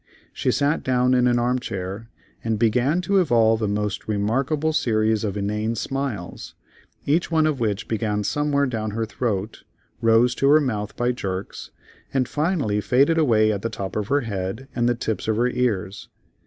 She sat down in an armchair, and began to evolve a most remarkable series of inane smiles, each one of which began somewhere down her throat, rose to her mouth by jerks, and finally faded away at the top of her head and the tips of her ears.